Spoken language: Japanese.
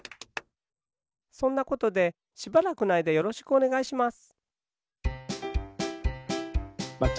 そんなことでしばらくのあいだよろしくおねがいします。